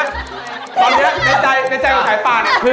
ตอนนี้ในใจในใจของสายปาก